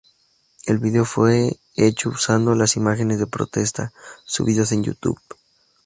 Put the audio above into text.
El video fue hecho usando las imágenes de protesta subidos en YouTube.